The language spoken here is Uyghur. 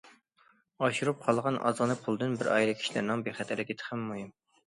ئاشۇرۇپ قالغان ئازغىنە پۇلدىن، بىر ئائىلە كىشىلەرنىڭ بىخەتەرلىكى تېخىمۇ مۇھىم.